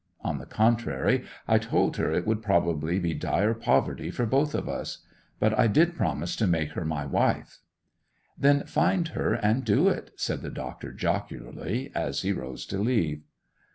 On the contrary, I told her it would probably be dire poverty for both of us. But I did promise to make her my wife.' 'Then find her and do it,' said the doctor jocularly as he rose to leave.